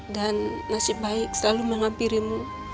dan nasib baik selalu mengampirimu